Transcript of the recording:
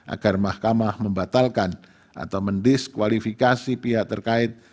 agar mahkamah membatalkan atau mendiskualifikasi pihak terkait